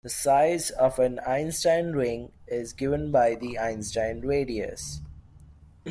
The size of an Einstein ring is given by the Einstein radius.